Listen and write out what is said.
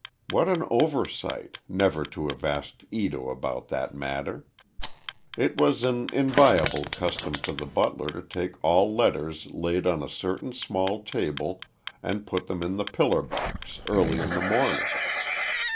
What an oversight, never to have asked Ito about that matter. It was an inviolable custom for the butler to take all letters laid on a certain small table, and put them in the pillar box, early in the morning.